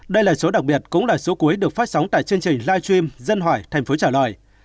đây là số đặc biệt cũng là số cuối được phát sóng tại chương trình live stream dân hỏi thành phố trả lời